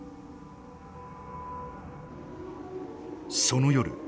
その夜。